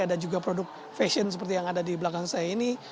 ada juga produk fashion seperti yang ada di belakang saya ini